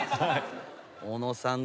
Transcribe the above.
小野さん